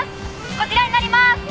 こちらになります！